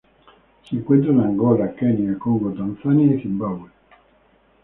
Se encuentra en Angola, Kenia, Congo, Tanzania y Zimbabue.